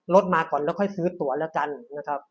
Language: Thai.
รถมาก่อนแล้วค่อยซื้อตัวแล้วกันนะครับ